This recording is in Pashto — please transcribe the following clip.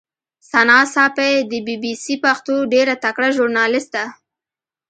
ثنا ساپۍ د بي بي سي پښتو ډېره تکړه ژورنالیسټه